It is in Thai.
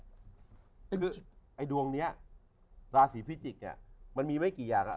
ก็คือไอ้ดวงนี้ราศีพิจิกเนี่ยมันมีไม่กี่อย่างอ่ะ